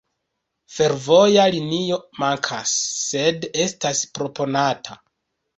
Fervoja linio mankas, sed estas proponata.